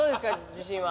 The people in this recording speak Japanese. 自信は。